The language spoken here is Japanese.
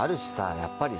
やっぱりさ